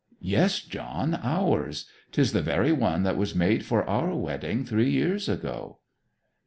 'Yes, John, ours. 'Tis the very one that was made for our wedding three years ago.'